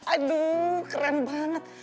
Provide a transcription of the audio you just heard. aduh keren banget